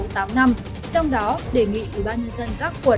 trong đó đề nghị ủy ban nhân dân các quận